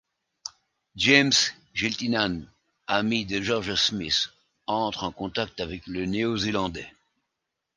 James Giltinan, ami de Georges Smith, entre en contact avec le Néo-Zélandais.